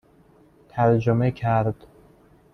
ترجمه کرد